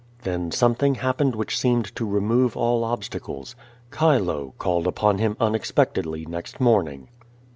Then something happened which seemed to remove all ob stacles. Cliih) called upon him unexpectedly next morning.